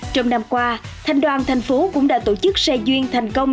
trong năm qua thanh đoàn tp hcm cũng đã tổ chức xe duyên thành công